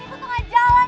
ini tuh tengah jalan